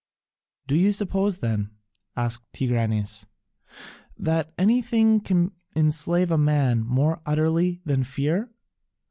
"Do you suppose then," asked Tigranes, "that anything can enslave a man more utterly than fear?